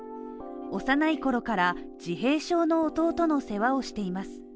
幼いころから自閉症の弟の世話をしています。